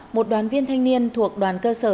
một đoàn viên thanh niên thuộc đoàn cơ sở